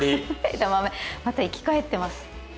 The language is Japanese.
枝豆また生き返ってます。